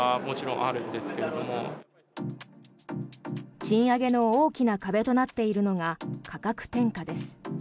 賃上げの大きな壁となっているのが価格転嫁です。